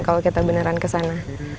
kalau kita beneran kesana